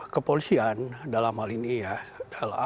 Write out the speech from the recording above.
kepolisian dalam hal ini ya